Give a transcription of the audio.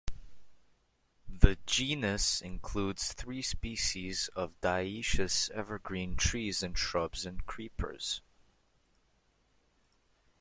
The genus includes three species of dioecious evergreen trees and shrubs, and creepers.